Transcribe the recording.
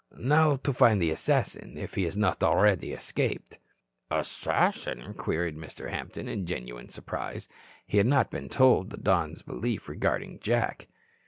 Now to find the assassin, if he has not already escaped." "Assassin?" queried Mr. Hampton, in genuine surprise. He had not been told the Don's belief regarding Jack.